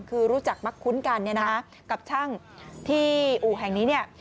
คือรู้จักมักคุ้นกันกับช่างที่อู่แห่งนี้